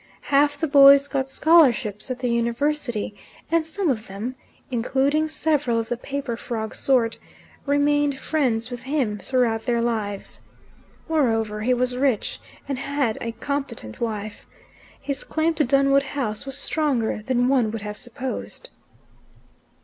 Half the boys got scholarships at the University, and some of them including several of the paper frog sort remained friends with him throughout their lives. Moreover, he was rich, and had a competent wife. His claim to Dunwood House was stronger than one would have supposed.